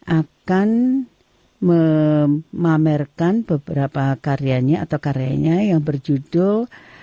akan memamerkan beberapa karyanya atau karyanya yang berjudul